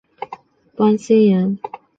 关心妍